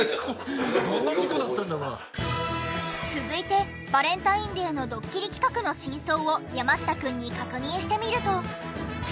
続いてバレンタインデーのドッキリ企画の真相を山下くんに確認してみると。